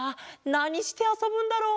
なにしてあそぶんだろう？